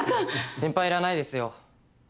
心配いらないですよ。